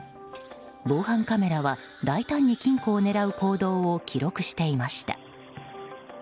防犯カメラは大胆に金庫を狙う行動を記録していました。